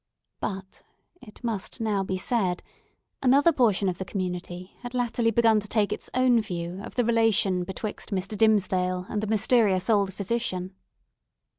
But, it must now be said, another portion of the community had latterly begun to take its own view of the relation betwixt Mr. Dimmesdale and the mysterious old physician.